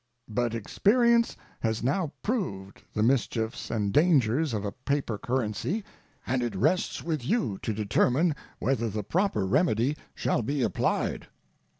But experience has now proved the mischiefs and dangers of a paper currency, and it rests with you to determine whether the proper remedy shall be applied.